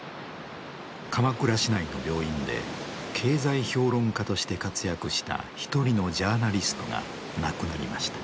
鎌倉市内の病院で経済評論家として活躍した一人のジャーナリストが亡くなりました。